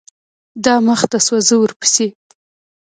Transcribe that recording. دا مخته سوه زه ورپسې.